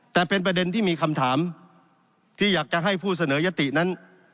แต่เป็นประเด็นที่มีคำถามที่อยากจะให้ผู้เสนอยตินั้น